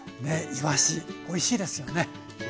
いわしおいしいですね。